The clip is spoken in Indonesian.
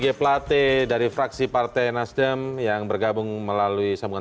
selamat malam pak rey juga